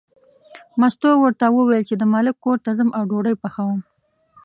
مستو ورته وویل چې د ملک کور ته ځم او ډوډۍ پخوم.